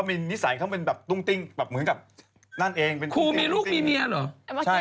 ขณะตอนอยู่ในสารนั้นไม่ได้พูดคุยกับครูปรีชาเลย